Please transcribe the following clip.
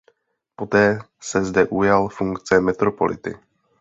Poté se zde ujal funkce metropolity.